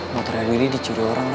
motornya lili dicuri orang raya